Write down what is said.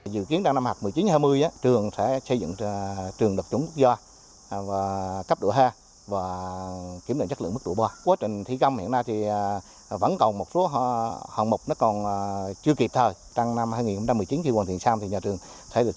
dự kiến trong năm học một mươi chín hai mươi trường sẽ xây dựng trường đập trúng quốc gia